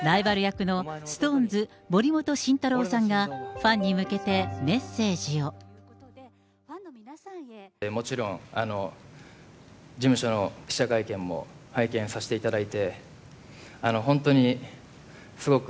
主人公を務めるＳｎｏｗＭａｎ・渡辺翔太さんと、ライバル役のＳｉｘＴＯＮＥＳ・森本慎太郎さんが、ファンに向けてメッセージもちろん事務所の記者会見も拝見させていただいて、本当にすごく